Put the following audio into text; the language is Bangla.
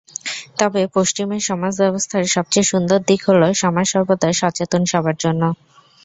তবে পশ্চিমের সমাজ ব্যবস্থার সবচেয়ে সুন্দর দিক হলো, সমাজ সর্বদা সচেতন সবার জন্য।